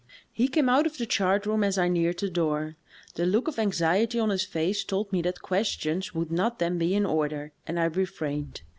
He came out of the chartroom as I neared the door. The look of anxiety on his face told me that questions would not then be in order, and I refrained.